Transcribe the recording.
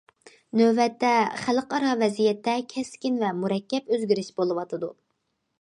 نۆۋەتتە، خەلقئارا ۋەزىيەتتە كەسكىن ۋە مۇرەككەپ ئۆزگىرىش بولۇۋاتىدۇ.